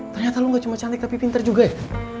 ternyata lu gak cuma cantik tapi pinter juga ya